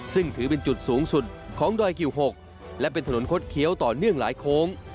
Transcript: ซึ่งถือเป็นจุดสูงสุดของดอยกิว๖และเป็นถนนคดเคี้ยวต่อเนื่องหลายโค้ง